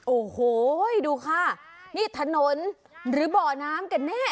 โอ้โหดูค่ะนี่ถนนหรือบ่อน้ำกันแน่